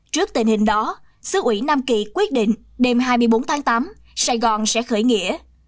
trước tình hình đó sứ ủy nam kỳ quyết định đêm hai mươi bốn tháng tám sài gòn sẽ khởi nghĩa